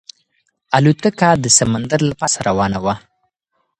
الوتکه د سمندر له پاسه روانه وه.